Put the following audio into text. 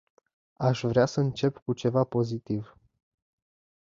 Aș vrea să încep cu ceva pozitiv.